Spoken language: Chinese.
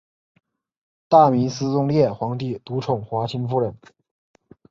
大明思宗烈皇帝独宠华清夫人。